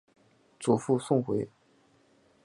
祖父宋回。